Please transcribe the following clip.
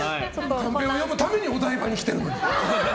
カンペ読むためにお台場に来てるのに。